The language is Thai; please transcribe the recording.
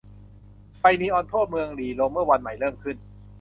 ไฟนีออนทั่วเมืองหรี่ลงเมื่อวันใหม่เริ่มขึ้น